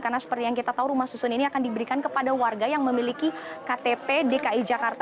karena seperti yang kita tahu rumah susun ini akan diberikan kepada warga yang memiliki ktp dki jakarta